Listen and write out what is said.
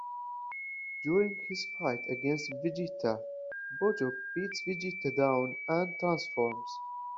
During his fight against Vegeta, Bojack beats Vegeta down and transforms.